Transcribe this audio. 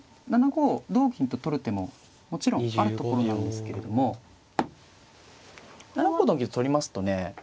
７五同銀と取る手ももちろんあるところなんですけれども７五同銀と取りますとね